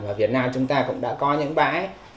ở việt nam chúng ta cũng đã có những bãi